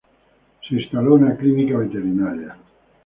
Se instaló una clínica veterinaria.